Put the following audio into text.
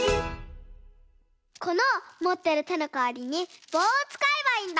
このもってるてのかわりにぼうをつかえばいいんだ。